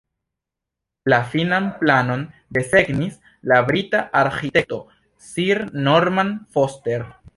La finan planon desegnis la brita arĥitekto Sir Norman Foster.